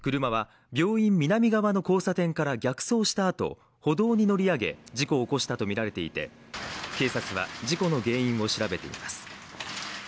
車は病院南側の交差点から逆走した後、歩道に乗り上げ、事故を起こしたとみられていて、警察は事故の原因を調べています。